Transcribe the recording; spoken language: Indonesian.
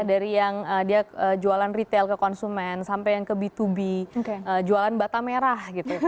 dari yang dia jualan retail ke konsumen sampai yang ke b dua b jualan bata merah gitu